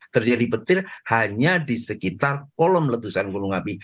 terjadi petir hanya di sekitar kolom letusan gunung api